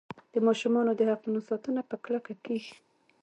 د ماشومانو د حقونو ساتنه په کلکه کیږي.